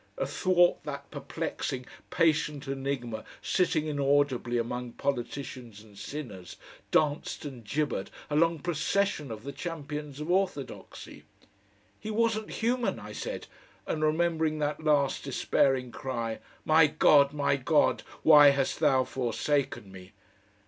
Athwart that perplexing, patient enigma sitting inaudibly among publicans and sinners, danced and gibbered a long procession of the champions of orthodoxy. "He wasn't human," I said, and remembered that last despairing cry, "My God! My God! why hast Thou forsaken Me?"